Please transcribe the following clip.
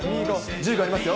１５秒ありますよ。